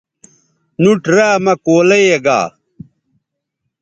نُوٹ را مہ کولئ یے گا